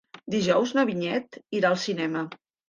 Dijous na Vinyet irà al cinema.